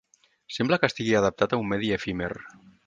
Sembla que estigui adaptat a un medi efímer.